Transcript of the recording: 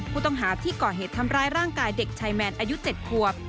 ผู้ต้องหาที่ก่อเหตุทำร้ายร่างกายเด็กชายแมนอายุ๗ควบ